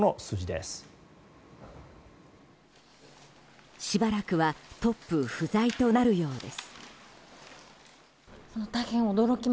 しばらくはトップ不在となるようです。